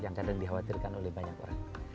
yang kadang dikhawatirkan oleh banyak orang